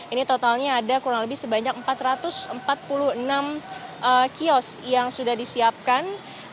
ini totalnya ada kurang lebih sebanyak empat ratus empat puluh enam kios yang sudah disiapkan